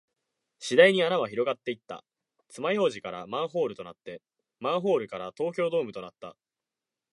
次第に穴は広がっていった。爪楊枝からマンホールとなって、マンホールから東京ドームとなった。